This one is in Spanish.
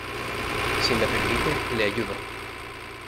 si me permite, le ayudo.